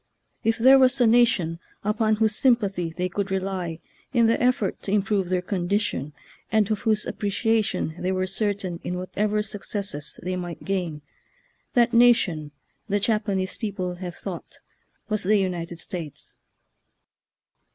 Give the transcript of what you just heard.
If there was a nation upon whose sympathy they could rely in the effort to improve their condition, and of whose ap preciation they were certain in whatever successes they might gain, that nation, the Japanese people have thought, was the United States.